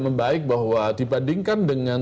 membaik bahwa dibandingkan dengan